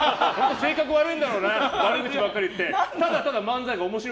性格悪いんだろうな悪口ばっかり言って。